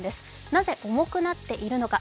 なぜ重くなっているのか。